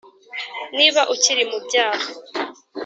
niba ukiri mu byaha